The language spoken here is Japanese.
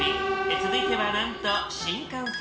続いてはなんと新幹線の